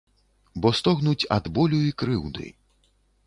Бо стогнуць ад болю і крыўды.